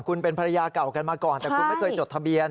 คุณเป็นภรรยาเก่ากันมาก่อนแต่คุณไม่เคยจดทะเบียน